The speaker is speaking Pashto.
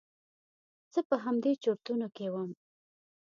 زه په همدې چرتونو کې وم.